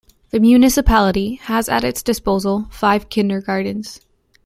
The municipality has at its disposal five kindergartens.